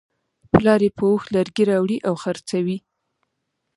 پلار یې په اوښ لرګي راوړي او خرڅوي.